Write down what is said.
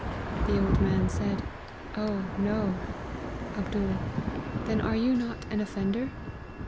" The old man said, ' Oh no !'" Md. ' Then are you not an offender